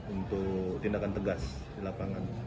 untuk tindakan tegas di lapangan